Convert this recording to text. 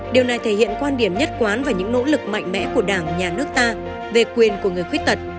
điều này thể hiện quan điểm nhất quán và những nỗ lực mạnh mẽ của đảng nhà nước ta về quyền của người khuyết tật